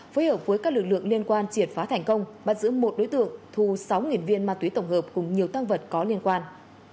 phối hợp với các lực lượng liên quan triệt phá thành công bắt giữ một đối tượng thu sáu viên ma túy tổng hợp cùng nhiều tăng vật có liên quan